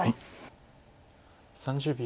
３０秒。